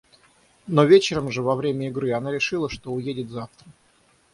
Но вечером же, во время игры, она решила, что уедет завтра.